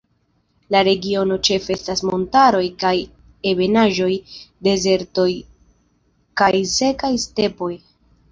En la regiono ĉefe estas montaroj kaj ebenaĵoj, dezertoj kaj sekaj stepoj.